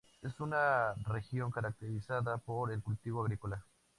Es una región caracterizada por el cultivo agrícola.